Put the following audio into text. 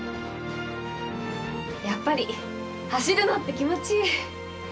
やっぱり走るのって気持ちいい。